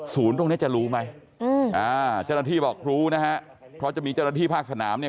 ตรงนี้จะรู้ไหมเจ้าหน้าที่บอกรู้นะฮะเพราะจะมีเจ้าหน้าที่ภาคสนามเนี่ย